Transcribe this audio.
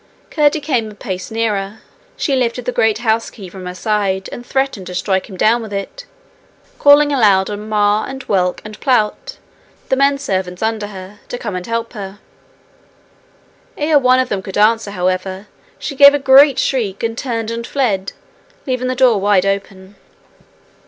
Curdie came a pace nearer. She lifted the great house key from her side, and threatened to strike him down with it, calling aloud on Mar and Whelk and Plout, the menservants under her, to come and help her. Ere one of them could answer, however, she gave a great shriek and turned and fled, leaving the door wide open.